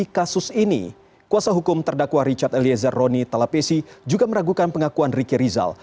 di kasus ini kuasa hukum terdakwa richard eliezer roni talapesi juga meragukan pengakuan riki rizal